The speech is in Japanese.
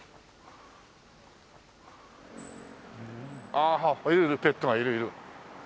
ああいるいるペットがいるいる。